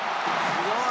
すごい。